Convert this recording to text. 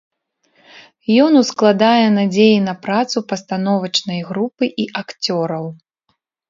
Ён ускладае надзеі на працу пастановачнай групы і акцёраў.